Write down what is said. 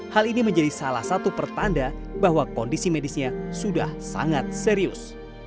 hal ini menjadi salah satu pertanda bahwa kondisi medisnya sudah sangat serius